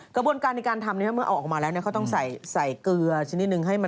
กระบวนการิการทำนี้ออกมาต้องใส่เกลือชิ้นนิดนึง